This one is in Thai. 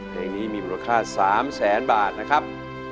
เพลงนี้มีมูลค่า๓แสนบาทนะครับ